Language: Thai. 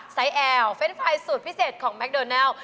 ไซเอลเฟนต์ไฟล์สูตรพิเศษของแม็กเดอร์เนล